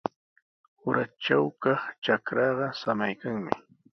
Uratraw kaq trakraaqa samaykanmi.